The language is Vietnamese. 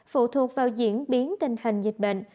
phụ thuộc vào diễn biến tình hình dịch bệnh